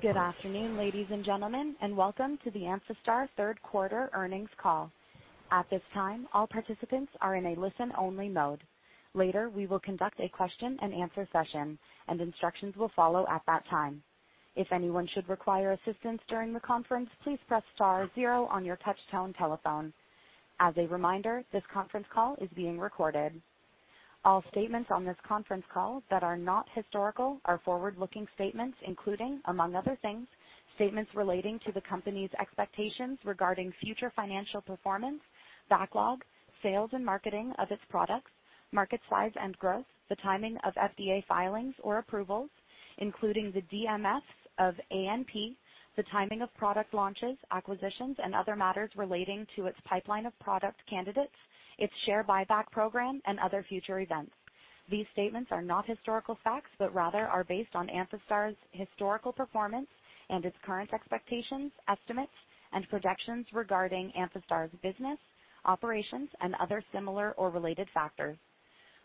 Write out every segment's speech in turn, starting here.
Good afternoon, ladies and gentlemen, and welcome to the Amphastar Third Quarter Earnings Call. At this time, all participants are in a listen-only mode. Later, we will conduct a question-and-answer session, and instructions will follow at that time. If anyone should require assistance during the conference, please press *0 on your touch-tone telephone. As a reminder, this conference call is being recorded. All statements on this conference call that are not historical are forward-looking statements, including, among other things, statements relating to the company's expectations regarding future financial performance, backlog, sales and marketing of its products, market size and growth, the timing of FDA filings or approvals, including the DMFs of ANP, the timing of product launches, acquisitions, and other matters relating to its pipeline of product candidates, its share buyback program, and other future events. These statements are not historical facts but rather are based on Amphastar's historical performance and its current expectations, estimates, and projections regarding Amphastar's business, operations, and other similar or related factors.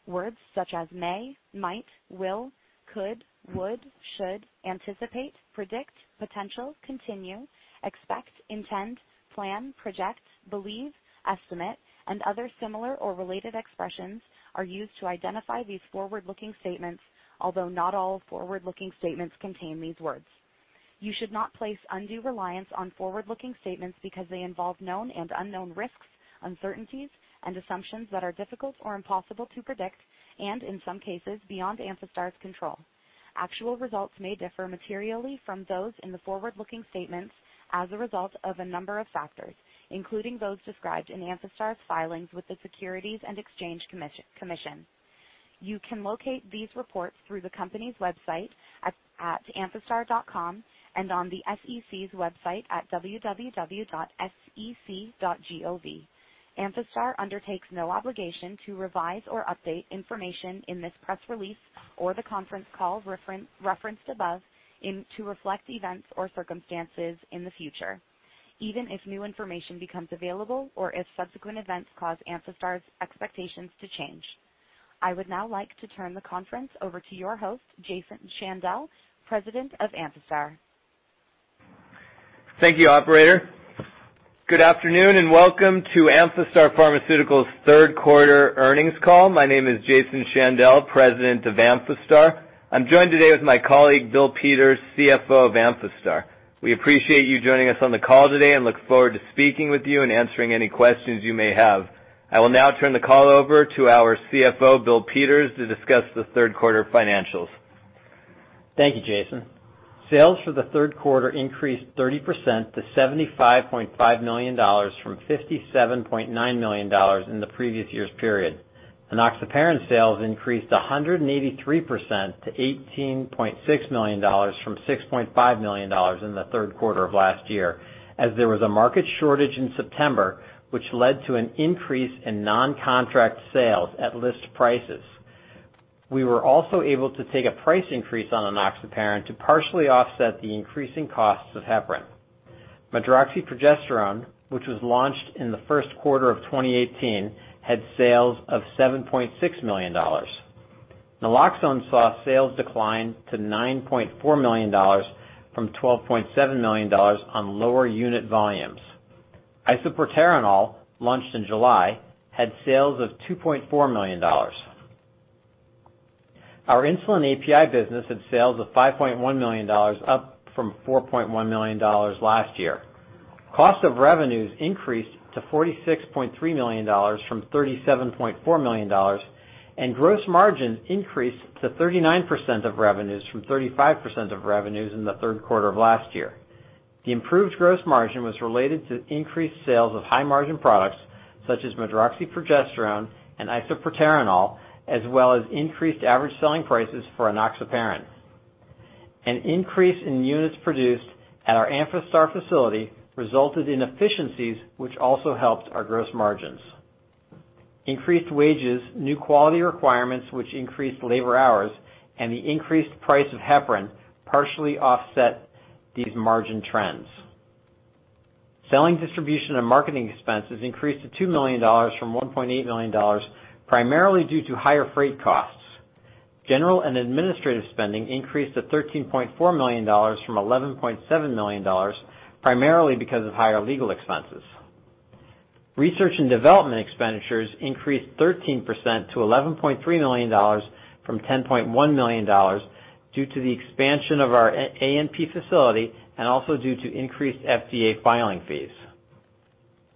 Words such as may, might, will, could, would, should, anticipate, predict, potential, continue, expect, intend, plan, project, believe, estimate, and other similar or related expressions are used to identify these forward-looking statements, although not all forward-looking statements contain these words. You should not place undue reliance on forward-looking statements because they involve known and unknown risks, uncertainties, and assumptions that are difficult or impossible to predict, and in some cases, beyond Amphastar's control. Actual results may differ materially from those in the forward-looking statements as a result of a number of factors, including those described in Amphastar's filings with the Securities and Exchange Commission. You can locate these reports through the company's website at amphastar.com and on the SEC's website at www.sec.gov. Amphastar undertakes no obligation to revise or update information in this press release or the conference call referenced above to reflect events or circumstances in the future, even if new information becomes available or if subsequent events cause Amphastar's expectations to change. I would now like to turn the conference over to your host, Jason Shandell, President of Amphastar. Thank you, Operator. Good afternoon and welcome to Amphastar Pharmaceuticals' Third Quarter Earnings Call. My name is Jason Shandell, President of Amphastar. I'm joined today with my colleague, Bill Peters, CFO of Amphastar. We appreciate you joining us on the call today and look forward to speaking with you and answering any questions you may have. I will now turn the call over to our CFO, Bill Peters, to discuss the third quarter financials. Thank you, Jason. Sales for the third quarter increased 30% to $75.5 million from $57.9 million in the previous year's period. The enoxaparin sales increased 183% to $18.6 million from $6.5 million in the third quarter of last year, as there was a market shortage in September, which led to an increase in non-contract sales at list prices. We were also able to take a price increase on the enoxaparin to partially offset the increasing costs of heparin. Medroxyprogesterone, which was launched in the first quarter of 2018, had sales of $7.6 million. Naloxone saw sales decline to $9.4 million from $12.7 million on lower unit volumes. Isoproterenol, launched in July, had sales of $2.4 million. Our insulin API business had sales of $5.1 million, up from $4.1 million last year. Cost of revenues increased to $46.3 million from $37.4 million, and gross margin increased to 39% of revenues from 35% of revenues in the third quarter of last year. The improved gross margin was related to increased sales of high-margin products such as medroxyprogesterone and isoproterenol, as well as increased average selling prices for enoxaparin. An increase in units produced at our Amphastar facility resulted in efficiencies, which also helped our gross margins. Increased wages, new quality requirements, which increased labor hours, and the increased price of heparin partially offset these margin trends. Selling, distribution, and marketing expenses increased to $2 million from $1.8 million, primarily due to higher freight costs. General and administrative spending increased to $13.4 million from $11.7 million, primarily because of higher legal expenses. Research and development expenditures increased 13% to $11.3 million from $10.1 million due to the expansion of our ANP facility and also due to increased FDA filing fees.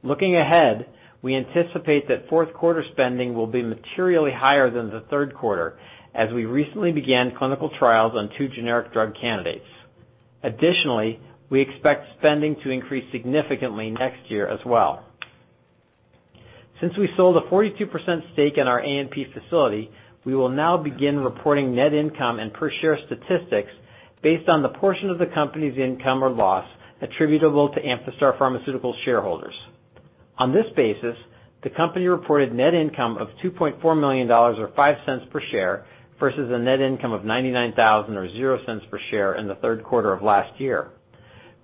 Looking ahead, we anticipate that fourth quarter spending will be materially higher than the third quarter, as we recently began clinical trials on two generic drug candidates. Additionally, we expect spending to increase significantly next year as well. Since we sold a 42% stake in our ANP facility, we will now begin reporting net income and per-share statistics based on the portion of the company's income or loss attributable to Amphastar Pharmaceuticals' shareholders. On this basis, the company reported net income of $2.4 million or $0.05 per share versus a net income of $99, 000 or $0.00 per share in the third quarter of last year.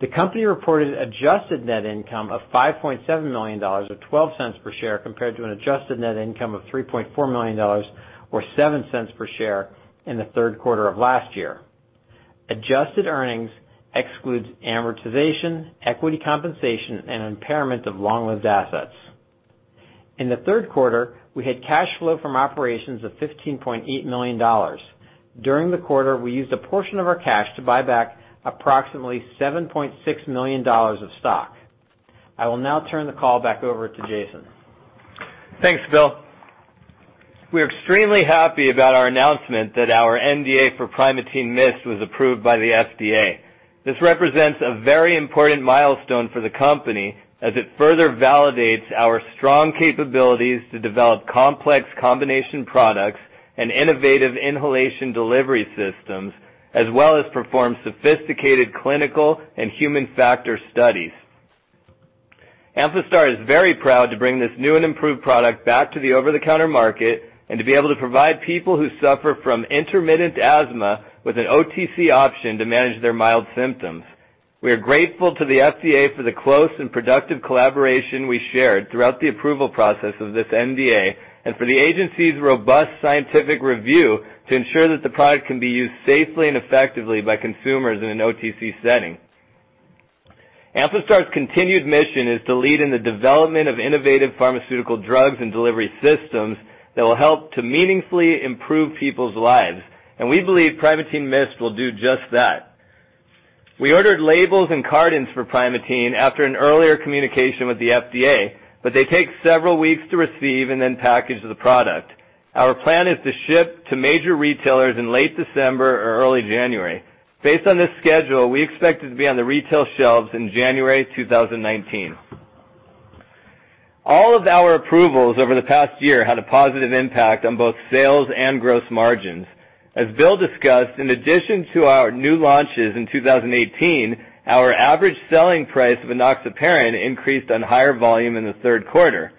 The company reported adjusted net income of $5.7 million or $0.12 per share compared to an adjusted net income of $3.4 million or $0.07 per share in the third quarter of last year. Adjusted earnings excludes amortization, equity compensation, and impairment of long-lived assets. In the third quarter, we had cash flow from operations of $15.8 million. During the quarter, we used a portion of our cash to buy back approximately $7.6 million of stock. I will now turn the call back over to Jason. Thanks, Bill. We are extremely happy about our announcement that our NDA for Primatene MIST was approved by the FDA. This represents a very important milestone for the company, as it further validates our strong capabilities to develop complex combination products and innovative inhalation delivery systems, as well as perform sophisticated clinical and human factor studies. Amphastar is very proud to bring this new and improved product back to the over-the-counter market and to be able to provide people who suffer from intermittent asthma with an OTC option to manage their mild symptoms. We are grateful to the FDA for the close and productive collaboration we shared throughout the approval process of this NDA and for the agency's robust scientific review to ensure that the product can be used safely and effectively by consumers in an OTC setting. Amphastar's continued mission is to lead in the development of innovative pharmaceutical drugs and delivery systems that will help to meaningfully improve people's lives, and we believe Primatene MIST will do just that. We ordered labels and cartons for Primatene after an earlier communication with the FDA, but they take several weeks to receive and then package the product. Our plan is to ship to major retailers in late December or early January. Based on this schedule, we expect it to be on the retail shelves in January 2019. All of our approvals over the past year had a positive impact on both sales and gross margins. As Bill discussed, in addition to our new launches in 2018, our average selling price of enoxaparin increased on higher volume in the third quarter.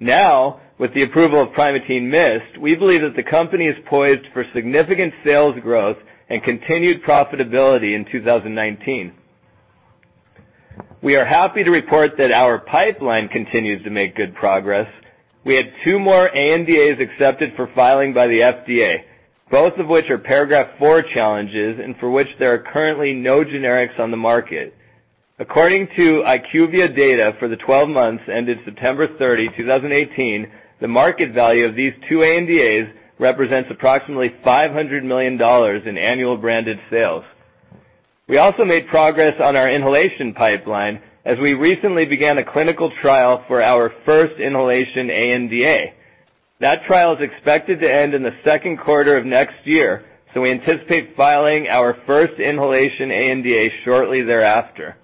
Now, with the approval of Primatene MIST, we believe that the company is poised for significant sales growth and continued profitability in 2019. We are happy to report that our pipeline continues to make good progress. We had two more ANDAs accepted for filing by the FDA, both of which are Paragraph IV challenges and for which there are currently no generics on the market. According to IQVIA data, for the 12 months ended September 30, 2018, the market value of these two ANDAs represents approximately $500 million in annual branded sales. We also made progress on our inhalation pipeline, as we recently began a clinical trial for our first inhalation ANDA. That trial is expected to end in the second quarter of next year, so we anticipate filing our first inhalation ANDA shortly thereafter.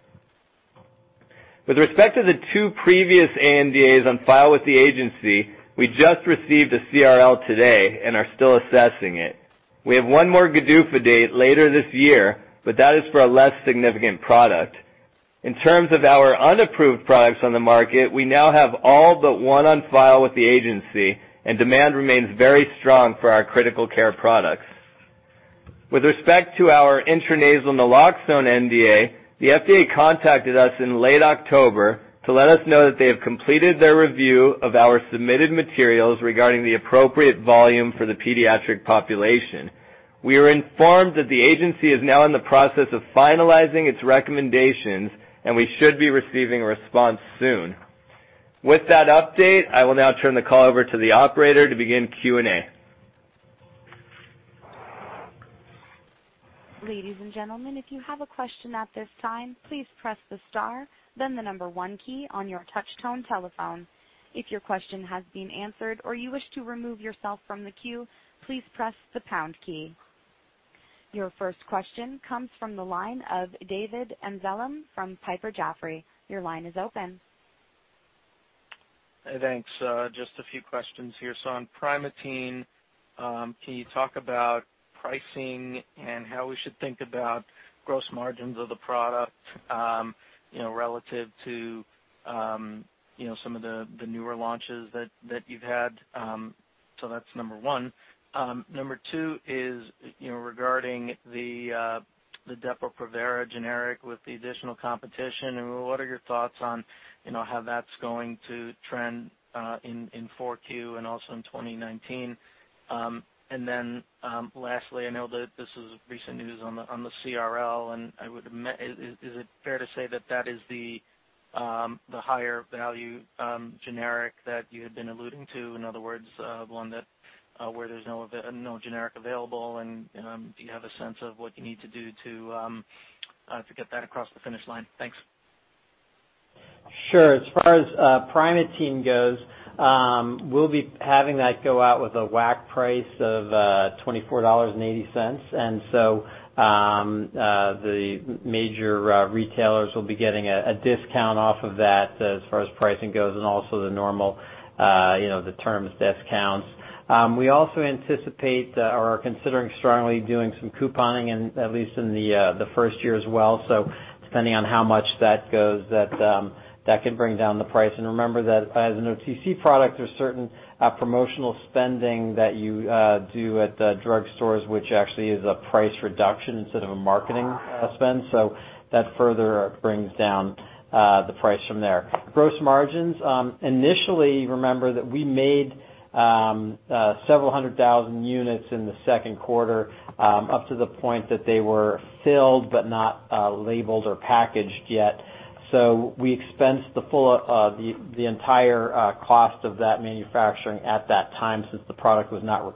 With respect to the two previous ANDAs on file with the agency, we just received a CRL today and are still assessing it. We have one more GDUFA date later this year, but that is for a less significant product. In terms of our unapproved products on the market, we now have all but one on file with the agency, and demand remains very strong for our critical care products. With respect to our intranasal naloxone NDA, the FDA contacted us in late October to let us know that they have completed their review of our submitted materials regarding the appropriate volume for the pediatric population. We are informed that the agency is now in the process of finalizing its recommendations, and we should be receiving a response soon. With that update, I will now turn the call over to the Operator to begin Q&A. Ladies and gentlemen, if you have a question at this time, please press the star, then the number one key on your touch-tone telephone. If your question has been answered or you wish to remove yourself from the queue, please press the pound key. Your first question comes from the line of David Amsellem from Piper Jaffray. Your line is open. Hey, thanks. Just a few questions here. So on Primatene, can you talk about pricing and how we should think about gross margins of the product relative to some of the newer launches that you've had? So that's number one. Number two is regarding the Depo-Provera generic with the additional competition. What are your thoughts on how that's going to trend in 4Q and also in 2019? And then lastly, I know that this is recent news on the CRL, and I would admit, is it fair to say that that is the higher value generic that you had been alluding to? In other words, one where there's no generic available, and do you have a sense of what you need to do to get that across the finish line? Thanks. Sure. As far as Primatene goes, we'll be having that go out with a WAC price of $24.80, and so the major retailers will be getting a discount off of that as far as pricing goes and also the normal terms discounts. We also anticipate or are considering strongly doing some couponing, at least in the first year as well, so depending on how much that goes, that can bring down the price, and remember that as an OTC product, there's certain promotional spending that you do at drug stores, which actually is a price reduction instead of a marketing spend, so that further brings down the price from there, gross margins, initially, remember that we made several hundred thousand units in the second quarter up to the point that they were filled but not labeled or packaged yet. We expensed the entire cost of that manufacturing at that time since the product was not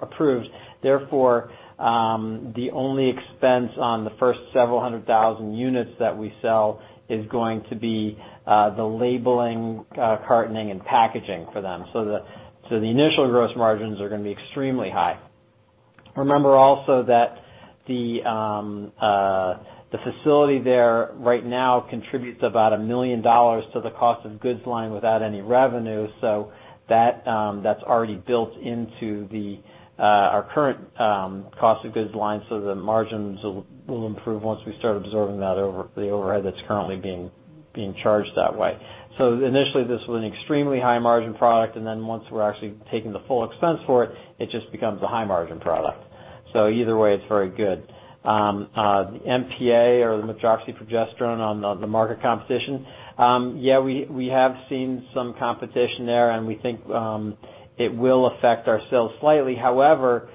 approved. Therefore, the only expense on the first several hundred thousand units that we sell is going to be the labeling, cartoning, and packaging for them. The initial gross margins are going to be extremely high. Remember also that the facility there right now contributes about $1 million to the cost of goods line without any revenue, so that's already built into our current cost of goods line, so the margins will improve once we start absorbing the overhead that's currently being charged that way. Initially, this was an extremely high-margin product, and then once we're actually taking the full expense for it, it just becomes a high-margin product. Either way, it's very good. The MPA or the medroxyprogesterone on the market competition, yeah, we have seen some competition there, and we think it will affect our sales slightly. However,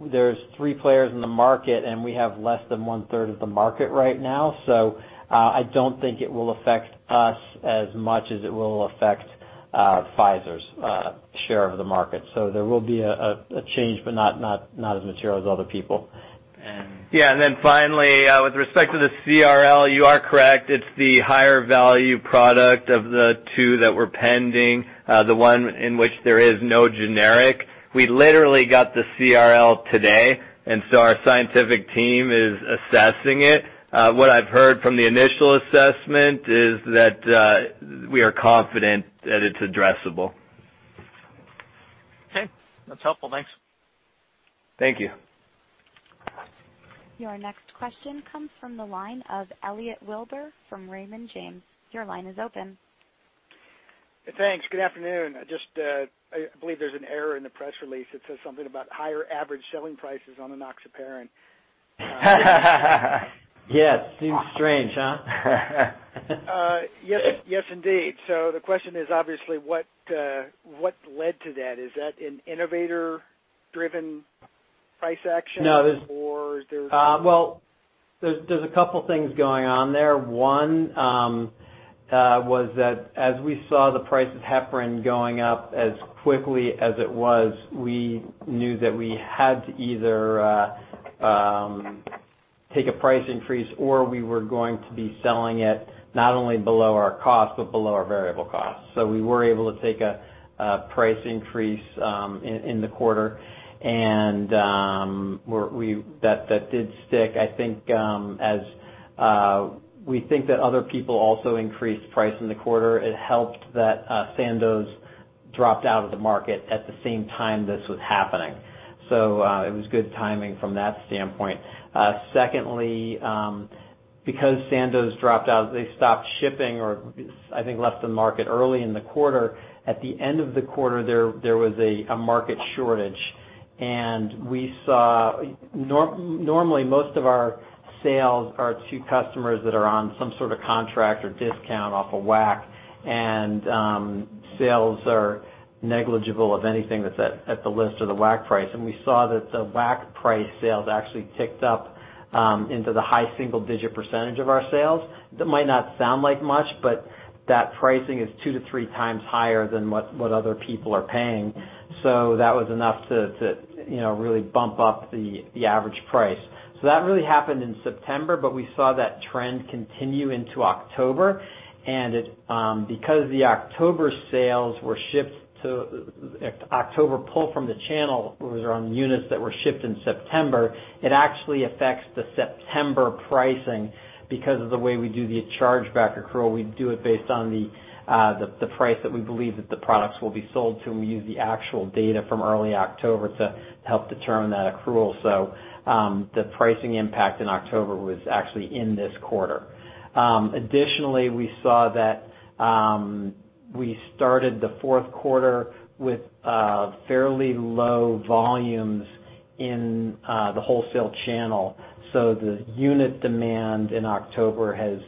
there's three players in the market, and we have less than one-third of the market right now, so I don't think it will affect us as much as it will affect Pfizer's share of the market. So there will be a change, but not as material as other people. Yeah. And then finally, with respect to the CRL, you are correct. It's the higher value product of the two that we're pending, the one in which there is no generic. We literally got the CRL today, and so our scientific team is assessing it. What I've heard from the initial assessment is that we are confident that it's addressable. Okay. That's helpful. Thanks. Thank you. Your next question comes from the line of Elliot Wilbur from Raymond James. Your line is open. Thanks. Good afternoon. I believe there's an error in the press release. It says something about higher average selling prices on the enoxaparin. Yes. Seems strange, huh? Yes, indeed. So the question is, obviously, what led to that? Is that an innovator-driven price action? No. Or is there? There's a couple of things going on there. One was that as we saw the price of heparin going up as quickly as it was, we knew that we had to either take a price increase or we were going to be selling it not only below our cost but below our variable cost. So we were able to take a price increase in the quarter, and that did stick. I think as we think that other people also increased price in the quarter, it helped that Sandoz dropped out of the market at the same time this was happening. So it was good timing from that standpoint. Secondly, because Sandoz dropped out, they stopped shipping or I think left the market early in the quarter. At the end of the quarter, there was a market shortage, and we saw normally most of our sales are to customers that are on some sort of contract or discount off a WAC, and sales are negligible of anything that's at the list or the WAC price, and we saw that the WAC price sales actually ticked up into the high single-digit % of our sales. That might not sound like much, but that pricing is two to three times higher than what other people are paying. So that was enough to really bump up the average price. So that really happened in September, but we saw that trend continue into October, and because the October sales were shipped to October pull from the channel was around units that were shipped in September, it actually affects the September pricing because of the way we do the chargeback accrual. We do it based on the price that we believe that the products will be sold to, and we use the actual data from early October to help determine that accrual. So the pricing impact in October was actually in this quarter. Additionally, we saw that we started the fourth quarter with fairly low volumes in the wholesale channel. So the unit demand in October has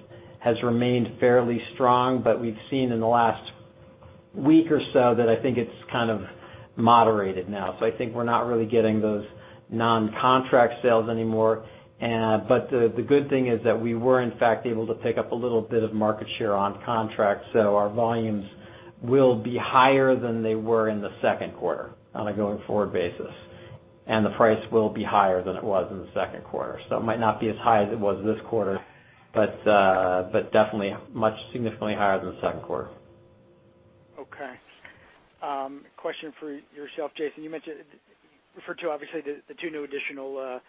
remained fairly strong, but we've seen in the last week or so that I think it's kind of moderated now. So I think we're not really getting those non-contract sales anymore. But the good thing is that we were, in fact, able to pick up a little bit of market share on contract. So our volumes will be higher than they were in the second quarter on a going forward basis, and the price will be higher than it was in the second quarter. So it might not be as high as it was this quarter, but definitely much significantly higher than the second quarter. Okay. Question for yourself, Jason. You referred to, obviously, the two new additional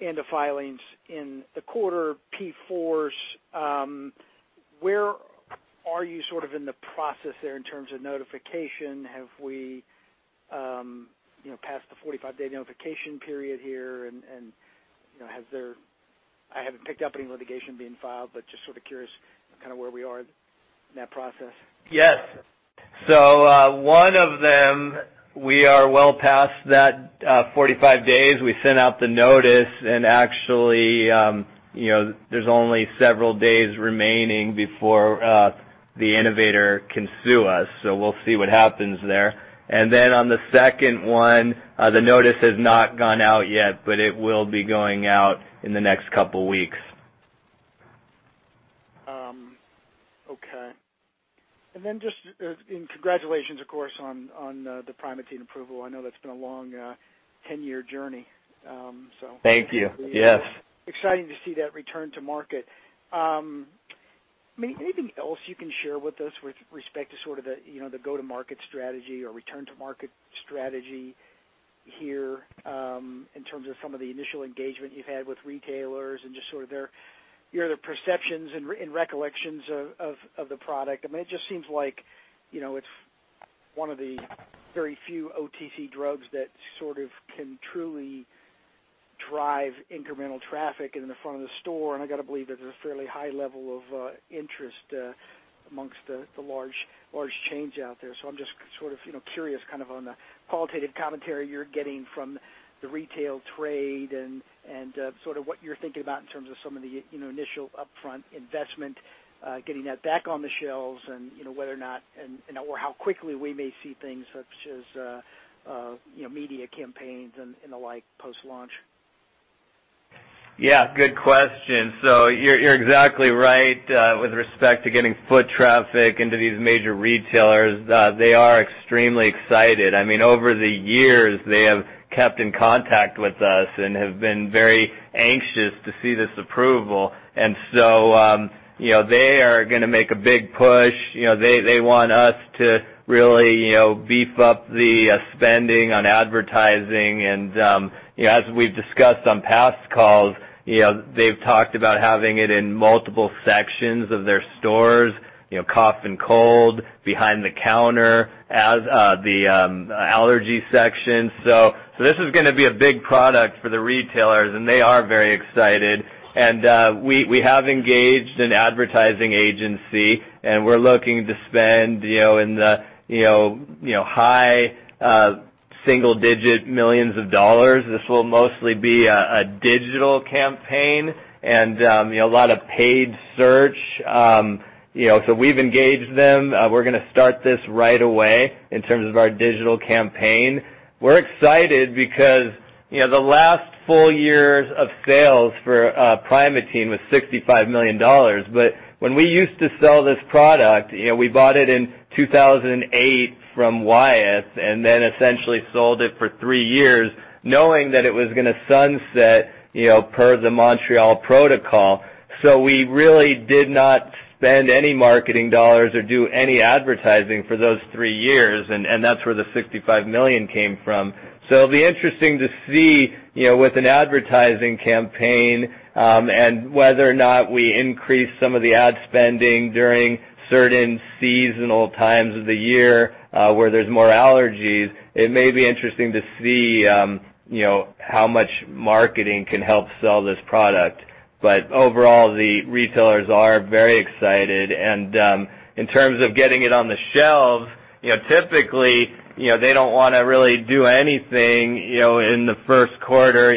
ANDA filings in the quarter, P4s. Where are you sort of in the process there in terms of notification? Have we passed the 45-day notification period here, and have there? I haven't picked up any litigation being filed, but just sort of curious kind of where we are in that process. Yes, so one of them, we are well past that 45 days. We sent out the notice, and actually, there's only several days remaining before the innovator can sue us, so we'll see what happens there, and then on the second one, the notice has not gone out yet, but it will be going out in the next couple of weeks. Okay. And then just congratulations, of course, on the Primatene approval. I know that's been a long 10-year journey, so. Thank you. Yes. Exciting to see that return to market. I mean, anything else you can share with us with respect to sort of the go-to-market strategy or return-to-market strategy here in terms of some of the initial engagement you've had with retailers and just sort of your other perceptions and recollections of the product? I mean, it just seems like it's one of the very few OTC drugs that sort of can truly drive incremental traffic in the front of the store. And I got to believe there's a fairly high level of interest amongst the large chains out there. I'm just sort of curious kind of on the qualitative commentary you're getting from the retail trade and sort of what you're thinking about in terms of some of the initial upfront investment, getting that back on the shelves, and whether or not or how quickly we may see things such as media campaigns and the like post-launch? Yeah. Good question. So you're exactly right with respect to getting foot traffic into these major retailers. They are extremely excited. I mean, over the years, they have kept in contact with us and have been very anxious to see this approval. And so they are going to make a big push. They want us to really beef up the spending on advertising. And as we've discussed on past calls, they've talked about having it in multiple sections of their stores, cough and cold, behind the counter, the allergy section. So this is going to be a big product for the retailers, and they are very excited. And we have engaged an advertising agency, and we're looking to spend in the high single-digit millions of dollars. This will mostly be a digital campaign and a lot of paid search. So we've engaged them. We're going to start this right away in terms of our digital campaign. We're excited because the last full year of sales for Primatene was $65 million. But when we used to sell this product, we bought it in 2008 from Wyeth and then essentially sold it for three years knowing that it was going to sunset per the Montreal Protocol. So we really did not spend any marketing dollars or do any advertising for those three years, and that's where the $65 million came from. So it'll be interesting to see with an advertising campaign and whether or not we increase some of the ad spending during certain seasonal times of the year where there's more allergies. It may be interesting to see how much marketing can help sell this product. But overall, the retailers are very excited. In terms of getting it on the shelves, typically, they don't want to really do anything in the first quarter.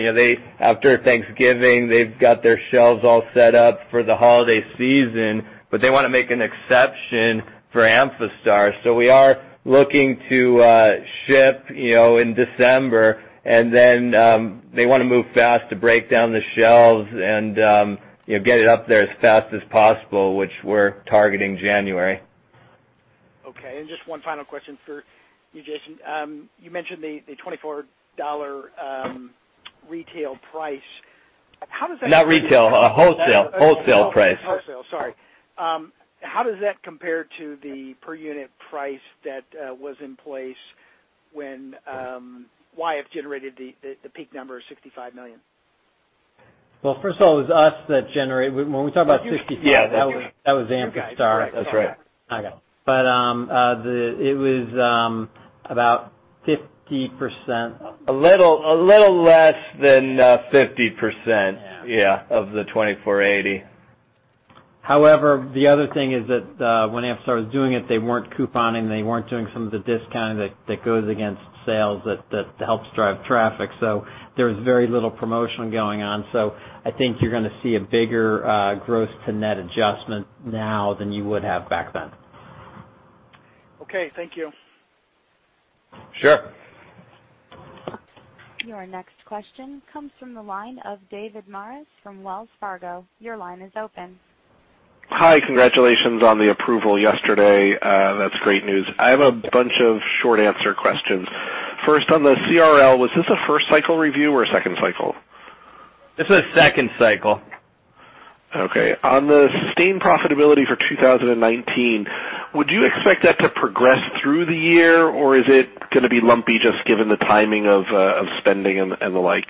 After Thanksgiving, they've got their shelves all set up for the holiday season, but they want to make an exception for Amphastar. So we are looking to ship in December, and then they want to move fast to break down the shelves and get it up there as fast as possible, which we're targeting January. Okay. And just one final question for you, Jason. You mentioned the $24 retail price. How does that compare? Not retail. Wholesale. Wholesale price. Wholesale. Sorry. How does that compare to the per-unit price that was in place when Wyeth generated the peak number of $65 million? First of all, it was us that generated. When we talk about $65 million, that was Amphastar. Amphastar. Okay. That's right. But it was about 50%. A little less than 50%, yeah, of the $24.80. However, the other thing is that when Amphastar was doing it, they weren't couponing. They weren't doing some of the discounting that goes against sales that helps drive traffic. So there was very little promotion going on. So I think you're going to see a bigger gross-to-net adjustment now than you would have back then. Okay. Thank you. Sure. Your next question comes from the line of David Maris from Wells Fargo. Your line is open. Hi. Congratulations on the approval yesterday. That's great news. I have a bunch of short answer questions. First, on the CRL, was this a first-cycle review or a second cycle? This is a second cycle. Okay. On the sustained profitability for 2019, would you expect that to progress through the year, or is it going to be lumpy just given the timing of spending and the like?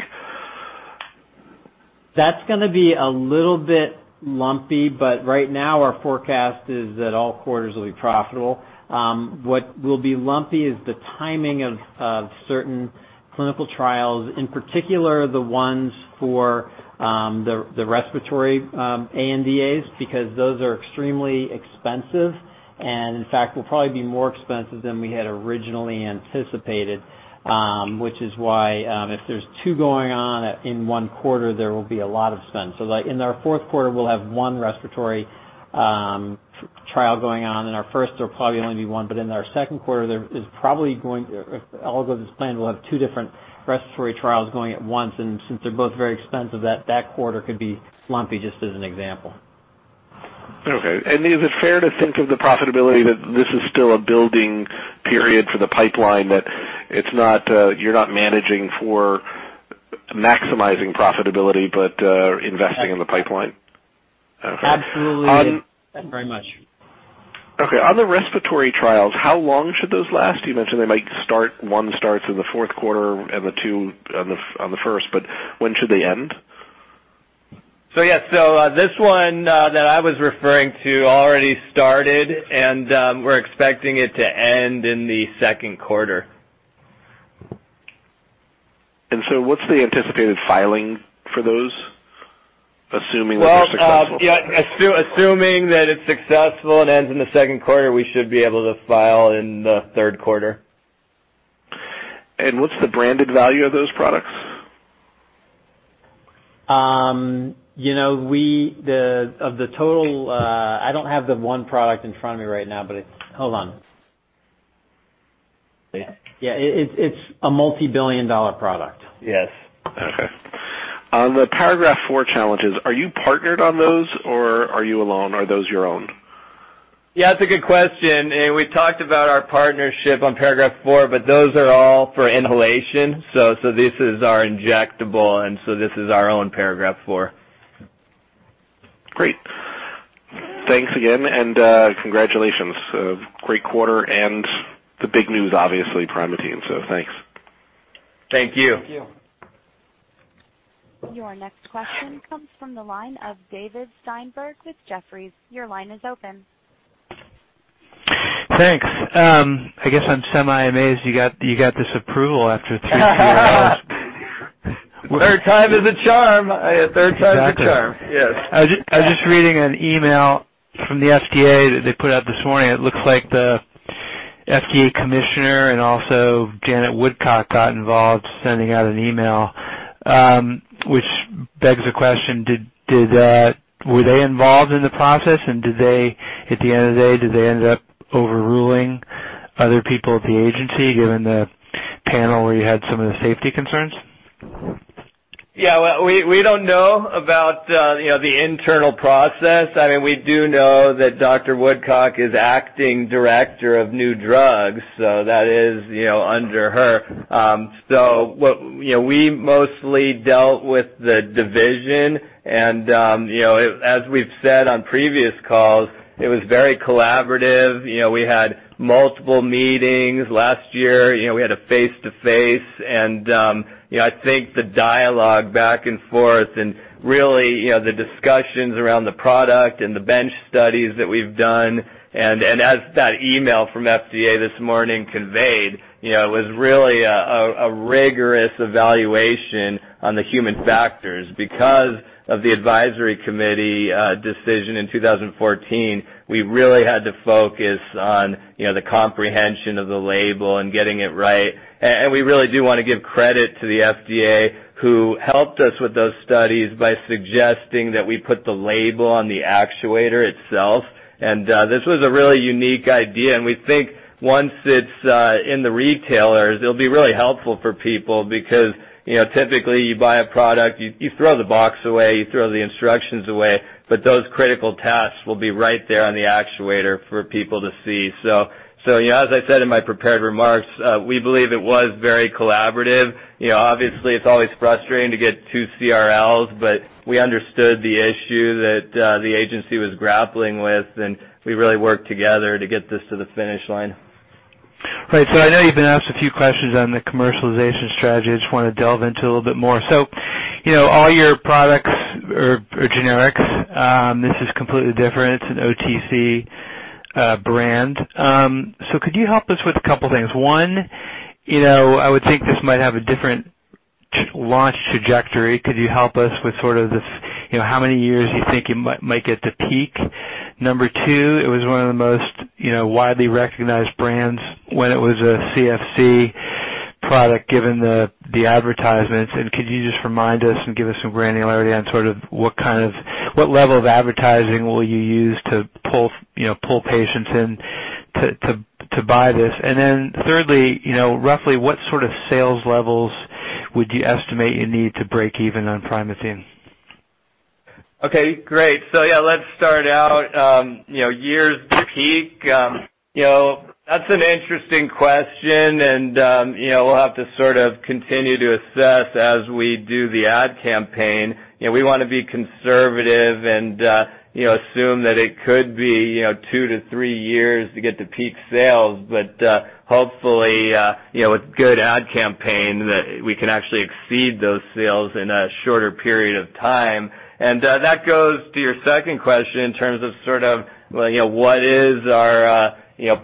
That's going to be a little bit lumpy, but right now, our forecast is that all quarters will be profitable. What will be lumpy is the timing of certain clinical trials, in particular the ones for the respiratory ANDAs because those are extremely expensive and, in fact, will probably be more expensive than we had originally anticipated, which is why if there's two going on in one quarter, there will be a lot of spend. So in our fourth quarter, we'll have one respiratory trial going on. In our first, there'll probably only be one. But in our second quarter, there is probably going to, if all goes as planned, we'll have two different respiratory trials going at once, and since they're both very expensive, that quarter could be lumpy just as an example. Okay, and is it fair to think of the profitability that this is still a building period for the pipeline, that you're not managing for maximizing profitability but investing in the pipeline? Absolutely. Thank you very much. Okay. On the respiratory trials, how long should those last? You mentioned they might start. One starts in the fourth quarter and the two on the first, but when should they end? So yeah. So this one that I was referring to already started, and we're expecting it to end in the second quarter. And so what's the anticipated filing for those, assuming that they're successful? Assuming that it's successful and ends in the second quarter, we should be able to file in the third quarter. What's the branded value of those products? Of the total, I don't have the one product in front of me right now, but hold on. Yeah. It's a multi-billion-dollar product. Yes. Okay. On the Paragraph IV challenges, are you partnered on those, or are you alone? Are those your own? Yeah. That's a good question. And we talked about our partnership on Paragraph IV, but those are all for inhalation. So this is our injectable, and so this is our own Paragraph IV. Great. Thanks again, and congratulations. Great quarter and the big news, obviously, Primatene. So thanks. Thank you. Thank you. Your next question comes from the line of David Steinberg with Jefferies. Your line is open. Thanks. I guess I'm semi-amazed you got this approval after three quarters. Third time is a charm. Third time is a charm. Yes. I was just reading an email from the FDA that they put out this morning. It looks like the FDA commissioner and also Janet Woodcock got involved sending out an email, which begs the question, were they involved in the process, and at the end of the day, did they end up overruling other people at the agency given the panel where you had some of the safety concerns? Yeah. We don't know about the internal process. I mean, we do know that Dr. Woodcock is Acting Director of New Drugs, so that is under her. We mostly dealt with the division. As we've said on previous calls, it was very collaborative. We had multiple meetings. Last year, we had a face-to-face. I think the dialogue back and forth and really the discussions around the product and the bench studies that we've done, and as that email from FDA this morning conveyed, it was really a rigorous evaluation on the human factors. Because of the advisory committee decision in 2014, we really had to focus on the comprehension of the label and getting it right. We really do want to give credit to the FDA who helped us with those studies by suggesting that we put the label on the actuator itself. This was a really unique idea. We think once it's in the retailers, it'll be really helpful for people because typically, you buy a product, you throw the box away, you throw the instructions away, but those critical tasks will be right there on the actuator for people to see. As I said in my prepared remarks, we believe it was very collaborative. Obviously, it's always frustrating to get two CRLs, but we understood the issue that the agency was grappling with, and we really worked together to get this to the finish line. Right. So I know you've been asked a few questions on the commercialization strategy. I just want to delve into a little bit more. So all your products are generics. This is completely different. It's an OTC brand. So could you help us with a couple of things? One, I would think this might have a different launch trajectory. Could you help us with sort of how many years you think it might get to peak? Number two, it was one of the most widely recognized brands when it was a CFC product given the advertisements. And could you just remind us and give us some granularity on sort of what level of advertising will you use to pull patients in to buy this? And then thirdly, roughly what sort of sales levels would you estimate you need to break even on Primatene? Okay. Great. So yeah, let's start out. Years to peak. That's an interesting question, and we'll have to sort of continue to assess as we do the ad campaign. We want to be conservative and assume that it could be two to three years to get to peak sales. But hopefully, with good ad campaign, we can actually exceed those sales in a shorter period of time. And that goes to your second question in terms of sort of what is our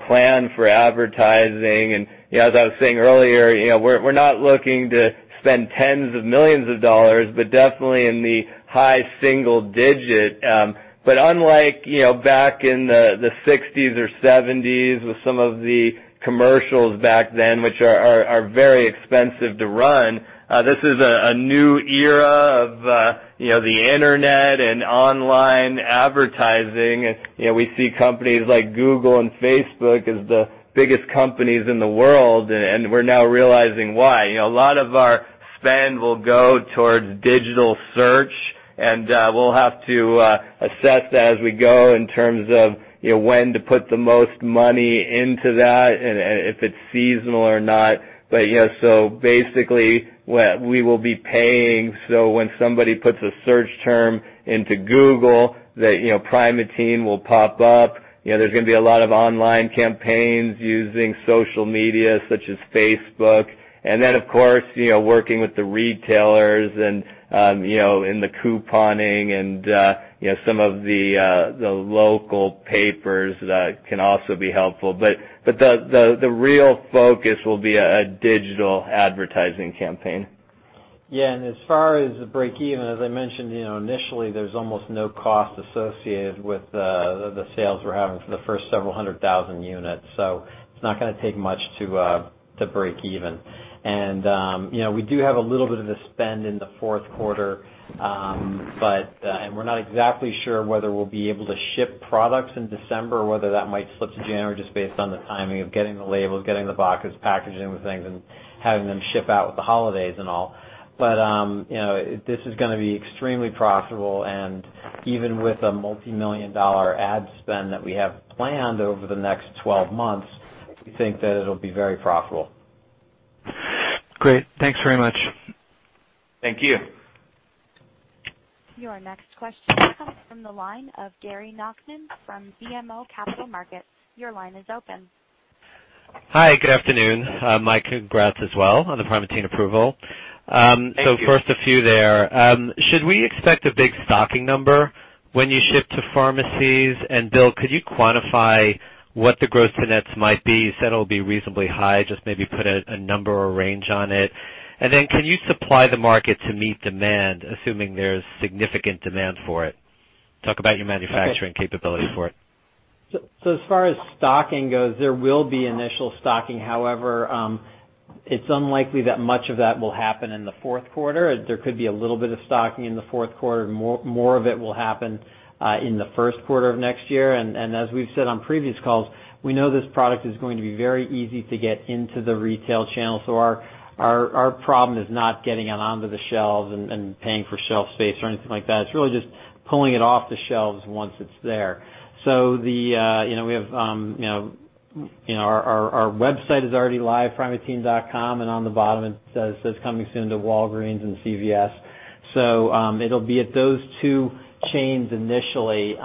plan for advertising. And as I was saying earlier, we're not looking to spend tens of millions of dollars, but definitely in the high single-digit. But unlike back in the 1960s or 1970s with some of the commercials back then, which are very expensive to run, this is a new era of the internet and online advertising. We see companies like Google and Facebook as the biggest companies in the world, and we're now realizing why. A lot of our spend will go towards digital search, and we'll have to assess that as we go in terms of when to put the most money into that and if it's seasonal or not. But so basically, we will be paying. So when somebody puts a search term into Google, Primatene will pop up. There's going to be a lot of online campaigns using social media such as Facebook. And then, of course, working with the retailers and in the couponing and some of the local papers can also be helpful. But the real focus will be a digital advertising campaign. Yeah. And as far as the break-even, as I mentioned initially, there's almost no cost associated with the sales we're having for the first several hundred thousand units. So it's not going to take much to break even. And we do have a little bit of a spend in the fourth quarter, and we're not exactly sure whether we'll be able to ship products in December or whether that might slip to January just based on the timing of getting the labels, getting the boxes, packaging the things, and having them ship out with the holidays and all. But this is going to be extremely profitable. And even with a multi-million dollar ad spend that we have planned over the next 12 months, we think that it'll be very profitable. Great. Thanks very much. Thank you. Your next question comes from the line of Gary Nachman from BMO Capital Markets. Your line is open. Hi. Good afternoon. My congrats as well on the Primatene approval. So first, a few there. Should we expect a big stocking number when you ship to pharmacies? And Bill, could you quantify what the gross-to-net might be? You said it'll be reasonably high. Just maybe put a number or range on it. And then can you supply the market to meet demand, assuming there's significant demand for it? Talk about your manufacturing capabilities for it. So as far as stocking goes, there will be initial stocking. However, it's unlikely that much of that will happen in the fourth quarter. There could be a little bit of stocking in the fourth quarter. More of it will happen in the first quarter of next year. And as we've said on previous calls, we know this product is going to be very easy to get into the retail channel. So our problem is not getting it onto the shelves and paying for shelf space or anything like that. It's really just pulling it off the shelves once it's there. So we have our website is already live, Primatene.com, and on the bottom, it says coming soon to Walgreens and CVS. So it'll be at those two chains initially,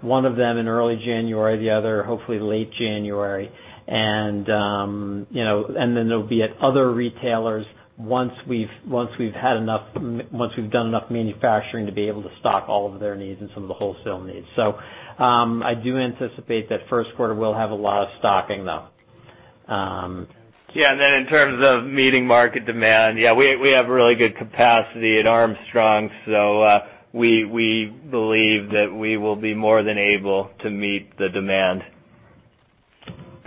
one of them in early January, the other hopefully late January. And then it'll be at other retailers once we've had enough, once we've done enough manufacturing to be able to stock all of their needs and some of the wholesale needs. So I do anticipate that first quarter will have a lot of stocking though. Yeah. And then in terms of meeting market demand, yeah, we have really good capacity at Armstrong. So we believe that we will be more than able to meet the demand.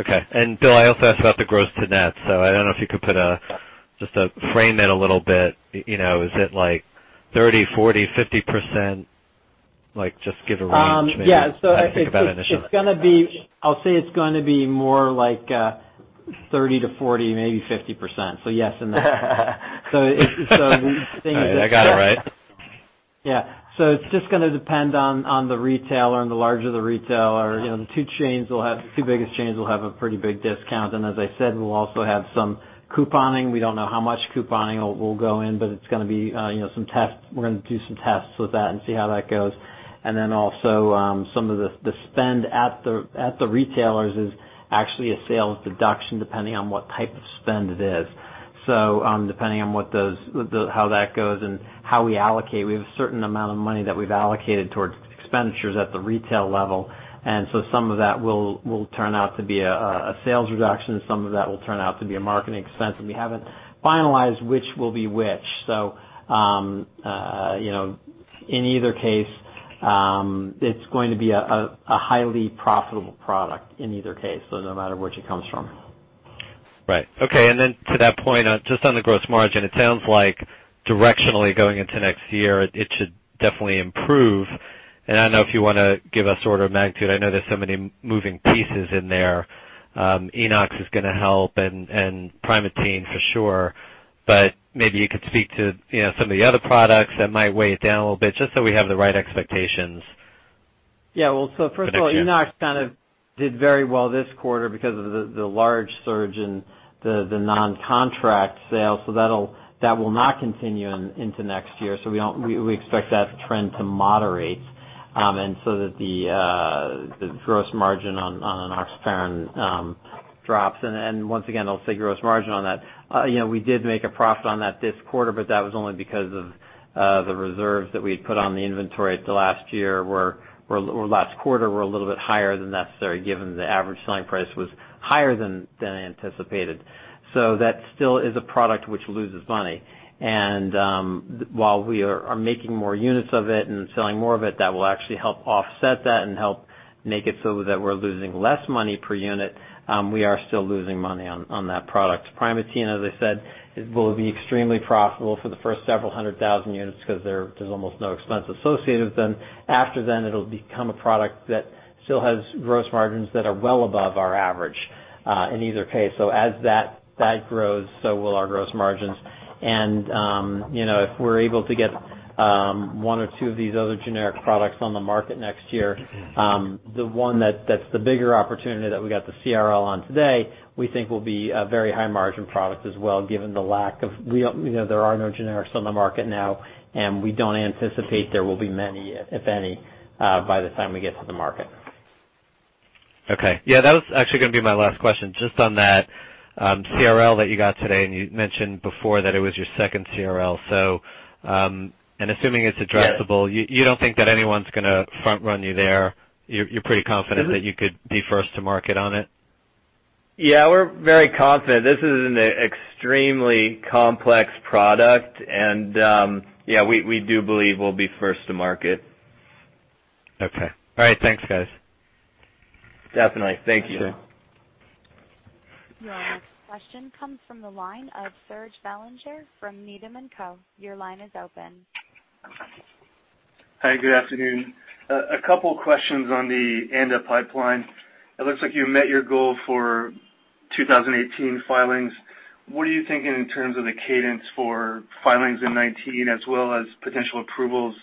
Okay. And Bill, I also asked about the gross-to-nets. So I don't know if you could just frame it a little bit. Is it like 30%, 40%, 50%? Just give a range. Yeah. So I think it's going to be, I'll say it's going to be more like 30%-40%, maybe 50%. So yes, in that. So the thing is. Okay. I got it right. Yeah. So it's just going to depend on the retailer and the larger the retailer. The two chains will have, the two biggest chains will have a pretty big discount. And as I said, we'll also have some couponing. We don't know how much couponing will go in, but it's going to be some tests. We're going to do some tests with that and see how that goes. And then also some of the spend at the retailers is actually a sales deduction depending on what type of spend it is. So depending on how that goes and how we allocate, we have a certain amount of money that we've allocated towards expenditures at the retail level. And so some of that will turn out to be a sales reduction. Some of that will turn out to be a marketing expense. And we haven't finalized which will be which. So in either case, it's going to be a highly profitable product in either case, so no matter where it comes from. Right. Okay. And then to that point, just on the gross margin, it sounds like directionally going into next year, it should definitely improve. And I don't know if you want to give a sort of magnitude. I know there's so many moving pieces in there. Enox is going to help and Primatene for sure. But maybe you could speak to some of the other products that might weigh it down a little bit just so we have the right expectations. Yeah. Well, so first of all, enox kind of did very well this quarter because of the large surge in the non-contract sales. So that will not continue into next year. So we expect that trend to moderate and so that the gross margin on enoxaparin drops. And once again, I'll say gross margin on that. We did make a profit on that this quarter, but that was only because of the reserves that we had put on the inventory at the last year where last quarter were a little bit higher than necessary given the average selling price was higher than anticipated. So that still is a product which loses money. And while we are making more units of it and selling more of it, that will actually help offset that and help make it so that we're losing less money per unit. We are still losing money on that product. Primatene, as I said, will be extremely profitable for the first several hundred thousand units because there's almost no expense associated with them. After then, it'll become a product that still has gross margins that are well above our average in either case. So as that grows, so will our gross margins. And if we're able to get one or two of these other generic products on the market next year, the one that's the bigger opportunity that we got the CRL on today, we think will be a very high margin product as well given the lack of there are no generics on the market now, and we don't anticipate there will be many, if any, by the time we get to the market. Okay. Yeah. That was actually going to be my last question. Just on that CRL that you got today, and you mentioned before that it was your second CRL. And assuming it's addressable, you don't think that anyone's going to front-run you there? You're pretty confident that you could be first to market on it? Yeah. We're very confident. This is an extremely complex product. And yeah, we do believe we'll be first to market. Okay. All right. Thanks, guys. Definitely. Thank you. Your next question comes from the line of Serge Belanger from Needham & Co. Your line is open. Hi. Good afternoon. A couple of questions on the ANDA pipeline. It looks like you met your goal for 2018 filings. What are you thinking in terms of the cadence for filings in 2019 as well as potential approvals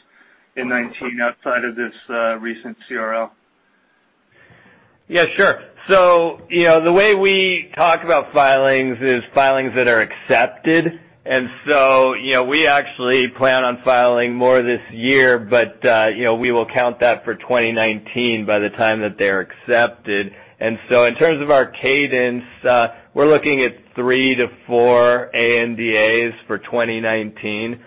in 2019 outside of this recent CRL? Yeah. Sure. So the way we talk about filings is filings that are accepted. And so we actually plan on filing more this year, but we will count that for 2019 by the time that they're accepted. And so in terms of our cadence, we're looking at three to four ANDAs for 2019.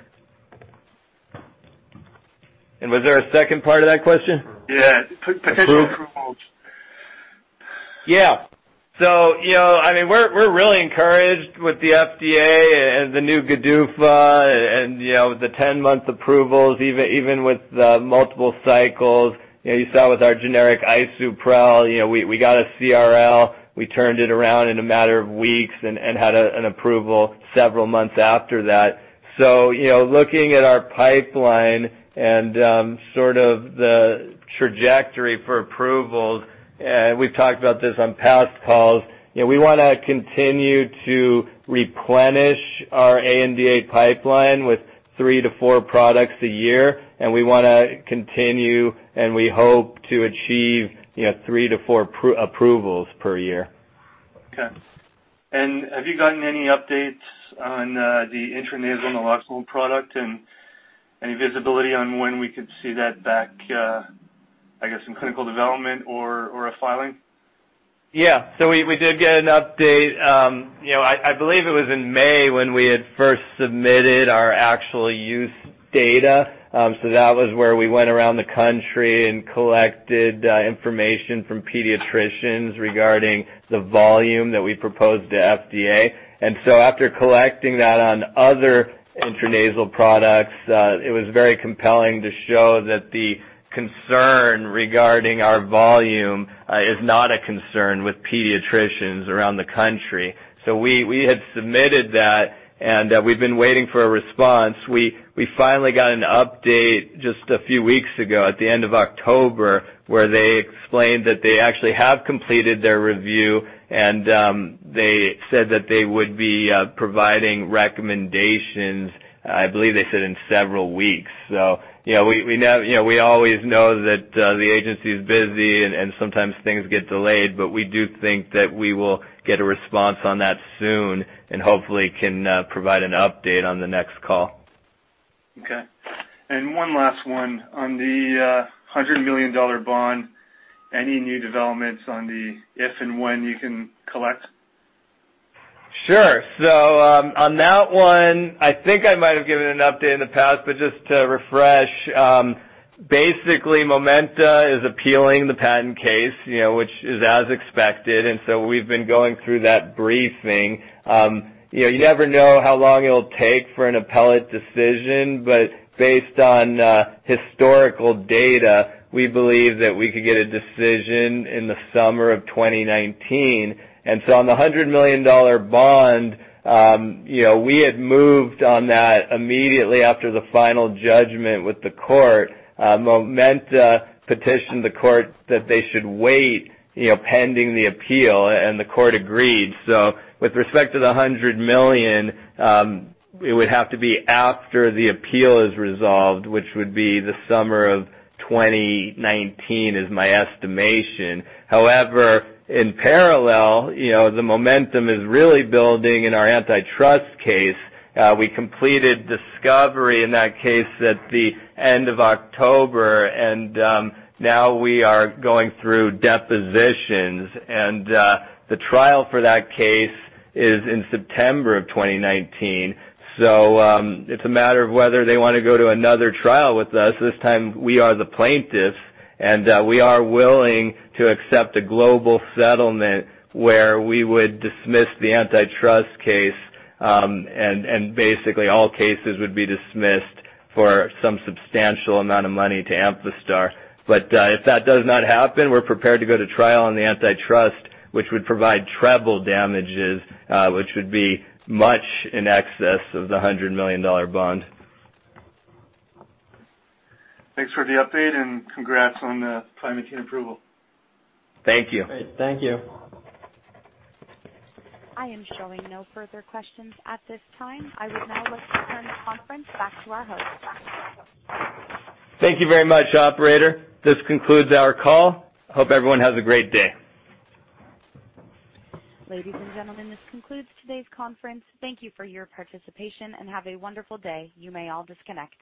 And was there a second part of that question? Yeah. Potential approvals. Yeah. So I mean, we're really encouraged with the FDA and the new GDUFA and the 10-month approvals, even with multiple cycles. You saw with our generic Isuprel, we got a CRL. We turned it around in a matter of weeks and had an approval several months after that. So looking at our pipeline and sort of the trajectory for approvals, we've talked about this on past calls. We want to continue to replenish our ANDA pipeline with three to four products a year. And we want to continue, and we hope to achieve three to four approvals per year. Okay. And have you gotten any updates on the intranasal naloxone product and any visibility on when we could see that back, I guess, in clinical development or a filing? Yeah. So we did get an update. I believe it was in May when we had first submitted our actual use data. So that was where we went around the country and collected information from pediatricians regarding the volume that we proposed to FDA. And so after collecting that on other intranasal products, it was very compelling to show that the concern regarding our volume is not a concern with pediatricians around the country. So we had submitted that, and we've been waiting for a response. We finally got an update just a few weeks ago at the end of October where they explained that they actually have completed their review, and they said that they would be providing recommendations, I believe they said, in several weeks. We always know that the agency is busy, and sometimes things get delayed, but we do think that we will get a response on that soon and hopefully can provide an update on the next call. Okay. And one last one on the $100 million bond. Any new developments on the if and when you can collect? Sure. So on that one, I think I might have given an update in the past, but just to refresh, basically, Momenta is appealing the patent case, which is as expected, and so we've been going through that briefing. You never know how long it'll take for an appellate decision, but based on historical data, we believe that we could get a decision in the summer of 2019, and so on the $100 million bond, we had moved on that immediately after the final judgment with the court. Momenta petitioned the court that they should wait pending the appeal, and the court agreed, so with respect to the $100 million, it would have to be after the appeal is resolved, which would be the summer of 2019, is my estimation. However, in parallel, the momentum is really building in our antitrust case. We completed discovery in that case at the end of October, and now we are going through depositions, and the trial for that case is in September of 2019, so it's a matter of whether they want to go to another trial with us. This time, we are the plaintiffs, and we are willing to accept a global settlement where we would dismiss the antitrust case, and basically all cases would be dismissed for some substantial amount of money to Amphastar but if that does not happen, we're prepared to go to trial on the antitrust, which would provide treble damages, which would be much in excess of the $100 million bond. Thanks for the update, and congrats on the Primatene approval. Thank you. Thank you. I am showing no further questions at this time. I would now like to turn the conference back to our hosts. Thank you very much, operator. This concludes our call. I hope everyone has a great day. Ladies and gentlemen, this concludes today's conference. Thank you for your participation and have a wonderful day. You may all disconnect.